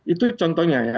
itu contohnya ya